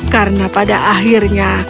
karena pada akhirnya